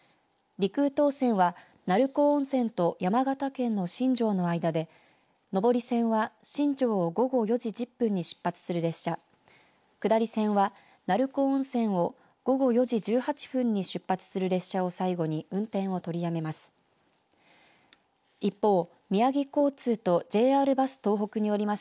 陸羽東線は鳴子温泉と山形県の新庄の間で上り線は、新庄を午後４時１０分に出発する列車下り線は鳴子温泉を午後４時１８分に出発する列車を最後に運転を取りやめます。